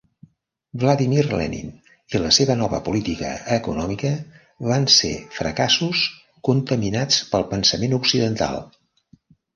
Vladimir Lenin i la seva nova política econòmica van ser fracassos contaminats pel pensament occidental.